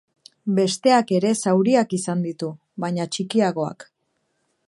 Besteak ere zauriak izan ditu, baina txikiagoak.